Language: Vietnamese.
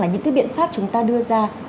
là những cái biện pháp chúng ta đưa ra